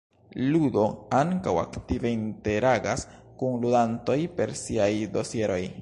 Ludo ankaŭ aktive interagas kun ludantoj per siaj dosieroj.